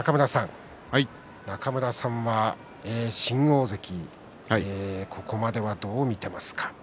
中村さんは新大関ここまではどう見ていますか？